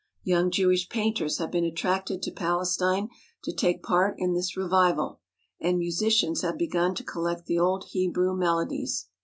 Young Jewish painters have been attracted to Palestine to take part in this revival, and musicians have begun to collect the old Hebrew melodies.